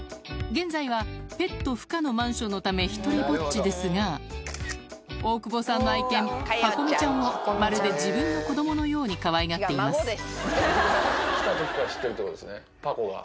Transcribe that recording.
現在はペット不可のマンションのため独りぼっちですが大久保さんの愛犬パコ美ちゃんをまるで自分の子供のようにかわいがっていますパコが。